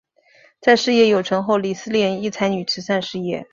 在事业有成后李思廉亦参与慈善事业。